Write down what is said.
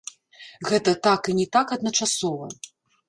Гэта так, і не так адначасова.